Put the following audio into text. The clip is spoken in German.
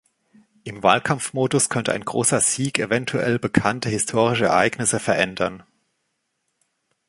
Im Wahlkampfmodus könnte ein großer Sieg eventuell bekannte historische Ereignisse verändern.